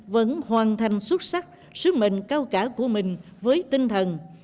vẫn hoàn thành xuất sắc sứ mệnh cao cả của mình với tinh thần